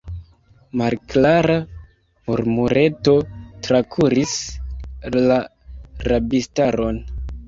Malklara murmureto trakuris la rabistaron.